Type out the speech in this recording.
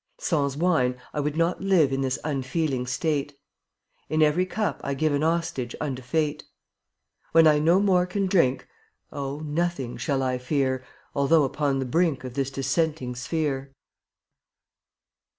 Sans wine I would not live In this unfeeling state; In every cup I give A hostage unto Fate. When I no more can drink, Oh, nothing shall I fear Although upon the brink Of this dissenting sphere.